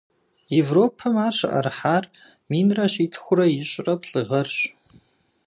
Европэм ар щыӏэрыхьар минрэ щитхурэ ищӏрэ плӏы гъэрщ.